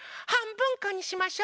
ぶんこにしましょ。